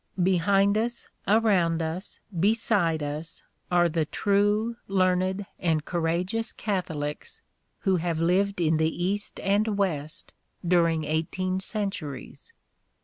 Behind us, around us, beside us, are the true, learned and courageous Catholics who have lived in the East and West during eighteen centuries.